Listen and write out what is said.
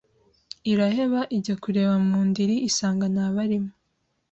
IrahebaIjya kureba mu ndiri isanga nabarimo